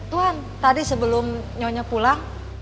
tuan tadi sebelum nyonya pulang